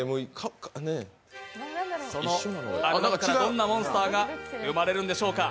どんなモンスターが生まれるんでしょうか？